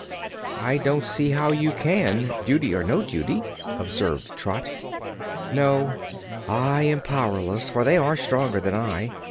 "I don't see how you can, duty or no duty," observed Trot. "No; I am powerless, for they are stronger than I.